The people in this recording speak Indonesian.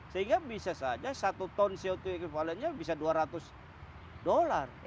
sehingga bisa saja satu ton co dua equivalennya bisa dua ratus dolar